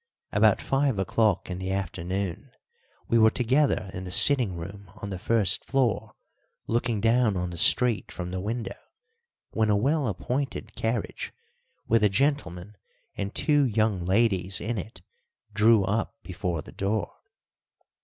About five o'clock in the afternoon we were together in the sitting room on the first floor, looking down on the street from the window, when a well appointed carriage with a gentleman and two young ladies in it drew up before the door.